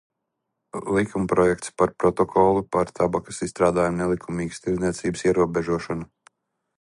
"Likumprojekts "Par Protokolu par tabakas izstrādājumu nelikumīgas tirdzniecības ierobežošanu"."